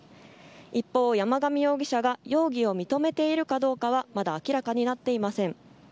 一方、山上容疑者が容疑を認めているかどうかはまだ明らかになっていません。